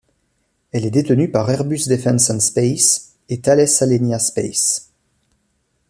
Elle est détenue par Airbus Defence and Space et Thales Alenia Space.